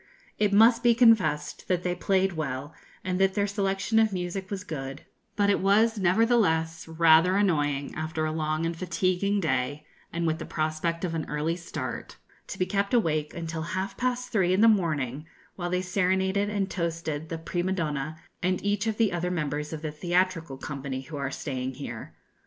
It must be confessed that they played well, and that their selection of music was good, but it was, nevertheless, rather annoying, after a long and fatiguing day, and with the prospect of an early start, to be kept awake until half past three in the morning, while they serenaded and toasted the prima donna, and each of the other members of the theatrical company who are staying here.